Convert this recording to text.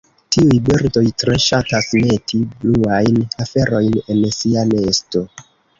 Tiuj birdoj tre ŝatas meti bluajn aferojn en sia nesto.